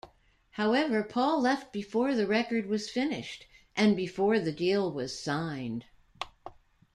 However, Paul left before the record was finished and before the deal was signed.